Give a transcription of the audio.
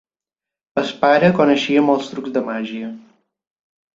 El pare coneixia molts trucs de màgia.